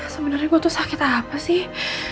sebenernya gue tuh sakit apa sih